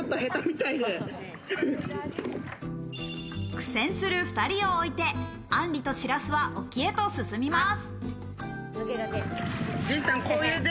苦戦する２人を置いて、あんりと白洲は沖へと進みます。